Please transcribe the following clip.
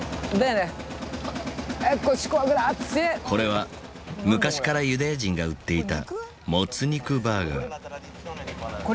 これは昔からユダヤ人が売っていたモツ肉バーガー。